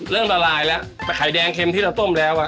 เริ่มละลายแล้วไข่แดงเค็มที่เราต้มแล้ว